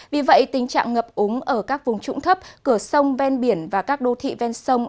vì vậy tình trạng ngập úng ở các vùng trụng thấp cửa sông ven biển và các đô thị ven sông